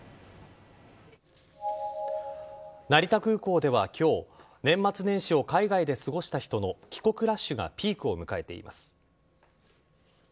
成田空港では今日年末年始を海外で過ごした人の帰国ラッシュがピークを迎えています。